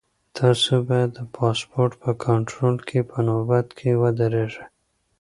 تاسو باید د پاسپورټ په کنټرول کې په نوبت کې ودرېږئ.